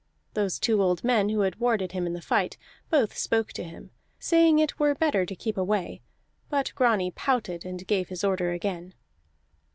Those two old men who had warded him in the fight both spoke to him, saying it were better to keep away. But Grani pouted and gave his order again.